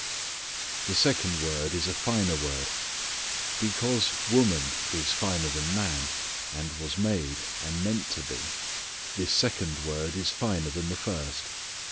The second word is a finer word. Because woman is finer than man, and was made, and meant to be, this second word is finer than the first.